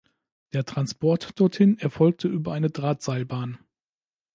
Der Transport dorthin erfolgte über eine Drahtseilbahn.